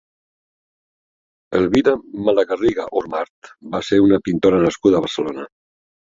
Elvira Malagarriga Ormart va ser una pintora nascuda a Barcelona.